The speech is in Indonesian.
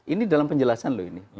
ini dalam penjelasan loh ini